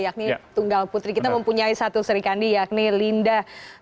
yakni tunggal putri kita mempunyai satu serikandi yakni linda